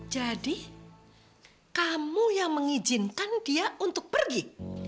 jadi kamu yang mengizinkan dia untuk pergi